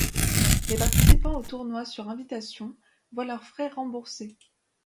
Les participants au tournoi sur invitation voient leurs frais remboursés.